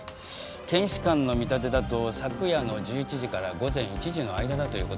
検視官の見立てだと昨夜の１１時から午前１時の間だという事です。